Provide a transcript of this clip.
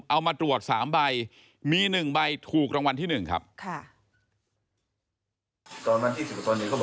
เอามาตรวจ๓ใบมี๑ใบถูกรางวัลที่๑ครับ